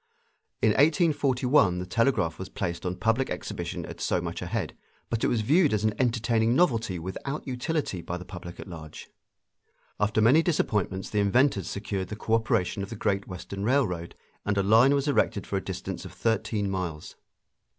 In 1841 the telegraph was placed on public exhibition at so much a head, but it was viewed as an entertaining novelty without utility by the public at large. After many disappointments the inventors secured the cooperation of the Great Western Railroad, and a line was erected for a distance of thirteen miles.